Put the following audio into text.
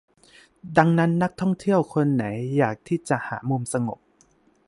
ดังนั้นนักท่องเที่ยวคนไหนอยากที่จะหามุมสงบ